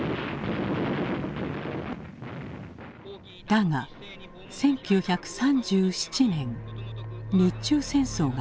だが１９３７年日中戦争が始まる。